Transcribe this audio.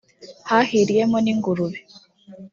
hahiriyemo n’ingurube